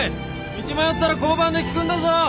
道迷ったら交番で聞くんだぞ！